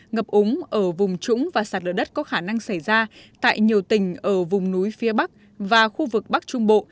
ngập úng ở vùng trũng và sạt lở đất có khả năng xảy ra tại nhiều tỉnh ở vùng núi phía bắc và khu vực bắc trung bộ